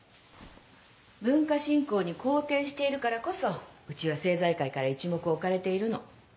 文化振興に貢献しているからこそうちは政財界から一目置かれているの。